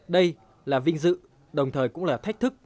đây là vinh dự đồng thời cũng là thách thức